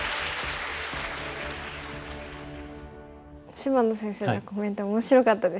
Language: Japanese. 芝野先生のコメント面白かったですね。